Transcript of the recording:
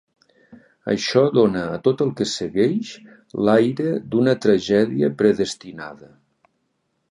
Això dona a tot el que segueix l'aire d'una tragèdia predestinada.